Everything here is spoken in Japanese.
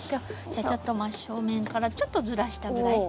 じゃあちょっと真っ正面からちょっとずらしたぐらい。